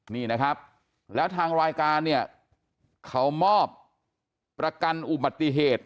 นี่นะครับแล้วทางรายการเนี่ยเขามอบประกันอุบัติเหตุ